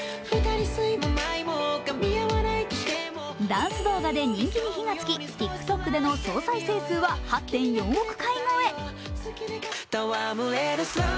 ダンス動画で人気に火が付きＴｉｋＴｏｋでの再生回数は８．４億回超え。